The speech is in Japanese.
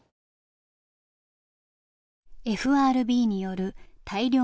ＦＲＢによる大量の緩和